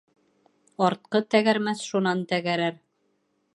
Артҡы тәгәрмәс шунан тәгәрәр.